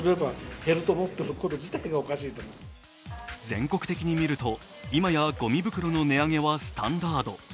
全国的にみると、今やごみ袋の値上げはスタンダード。